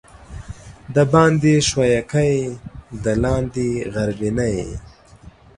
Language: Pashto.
دباندي ښويکى، د لاندي غربينى.